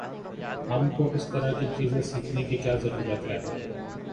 ہم کو اس طرح کی چیزیں سیکھنے کی کیا ضرورت ہے؟